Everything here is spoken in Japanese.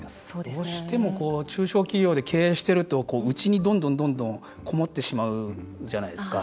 どうしても中小企業で経営していると、内にどんどんこもってしまうじゃないですか。